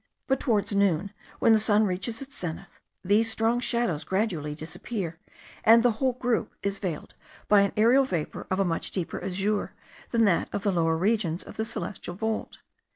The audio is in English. But towards noon, when the sun reaches its zenith, these strong shadows gradually disappear, and the whole group is veiled by an aerial vapour of a much deeper azure than that of the lower regions of the celestial vault.